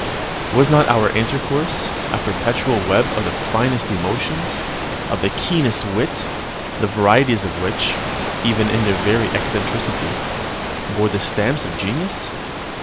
Was not our intercourse a perpetual web of the finest emotions, of the keenest wit, the varieties of which, even in their very eccentricity, bore the stamp of genius?